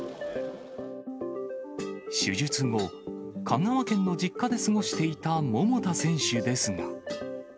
手術後、香川県の実家で過ごしていた桃田選手ですが。